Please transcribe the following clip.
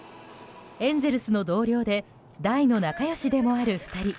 エンゼルスの同僚で大の仲良しでもある２人。